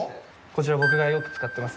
こちら僕がよく使ってます